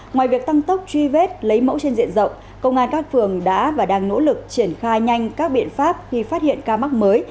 ngoài việc tăng tốc truy vết lấy mẫu trên diện rộng công an các phường đã và đang nỗ lực triển khai nhanh các biện pháp khi phát hiện ca mắc mới